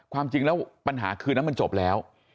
ความจริงแล้วปัญหาคืนนั้นมันจบแล้ว